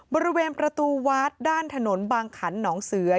บริเวณประตูวัดด้านถนนบางขันหนองเสือ